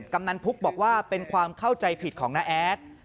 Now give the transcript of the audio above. กำนันพุกบอกว่าเป็นความเข้าใจผิดของน้าแอด